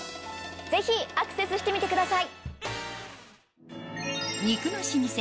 ぜひアクセスしてみてください！